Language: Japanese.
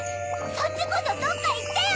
そっちこそどっかいってよ！